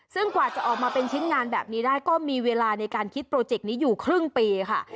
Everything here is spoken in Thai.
ซึ่งกว่าจะออกมาเป็นชิ้นงานแบบนี้ได้ก็มีเวลาในการคิดโปรเจกต์นี้อยู่ครึ่งปีค่ะ